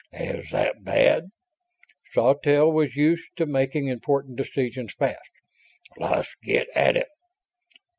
"Is that bad?" Sawtelle was used to making important decisions fast. "Let's get at it."